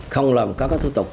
không làm các thủ tục